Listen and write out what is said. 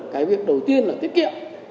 cái việc đầu tiên là tiết kiệm